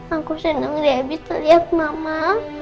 aku seneng dia bisa liat mama